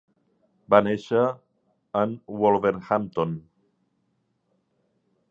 Va nàixer en Wolverhampton.